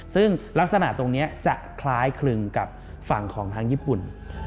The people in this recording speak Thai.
ซึ่งลักษณะตรงนี้จะคล้ายคลึงกับฝั่งของทางญี่ปุ่น